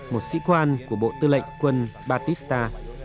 một sĩ quan của bộ tư lệnh quân batista